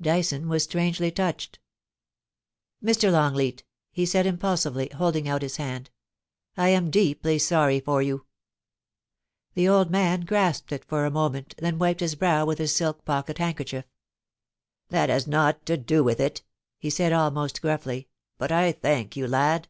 Dyson was strangely touched. ' Mr. Longleat,' he said impulsively, holding out his hand, ' I am deeply sorry for you,' The old man grasped it for a moment, then wiped his brow with his silk pocket handkerchief ' That has nought to do with it,' he said, almost gruffly ;* but I thank you, lad.